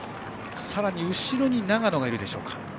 後ろに長野がいるでしょうか。